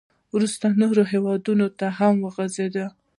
• وروسته نورو هېوادونو ته هم وغځېد.